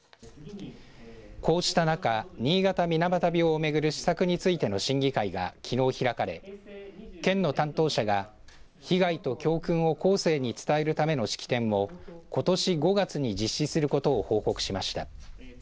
こうした中、新潟水俣病を巡る施策についての審議会がきのう開かれ県の担当者が被害と教訓を後世に伝えるための式典をことし５月に実施することを報告しました。